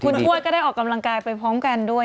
คุณทวดก็ได้ออกกำลังกายไปพร้อมกันด้วย